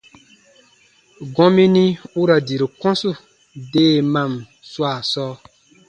Gɔmini u ra diru kɔ̃su deemaan swaa sɔɔ,